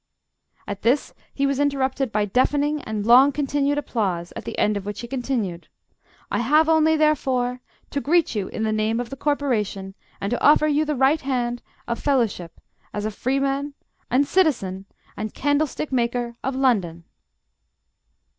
At this he was interrupted by deafening and long continued applause, at the end of which he continued: "I have only therefore, to greet you in the name of the Corporation, and to offer you the right hand of fellowship as a Freeman, and Citizen, and Candlestick maker of London."